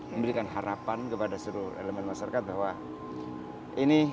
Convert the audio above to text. memberikan harapan kepada seluruh elemen masyarakat bahwa ini